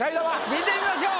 聞いてみましょう。